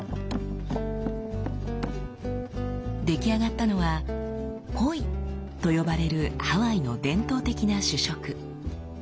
出来上がったのは「ポイ」と呼ばれるハワイの伝統的な主食。